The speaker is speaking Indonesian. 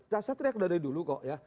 saya teriak dari dulu kok ya